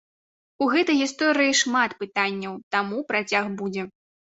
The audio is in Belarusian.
У гэтай гісторыі шмат пытанняў, таму працяг будзе.